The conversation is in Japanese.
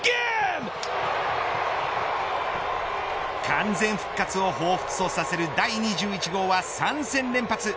完全復活をほうふつとさせる第２１号は３戦連発。